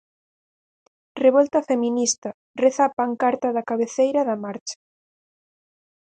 Revolta feminista, reza a pancarta da cabeceira da marcha.